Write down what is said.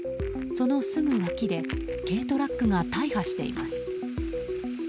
そのすぐ脇で軽トラックが大破しています。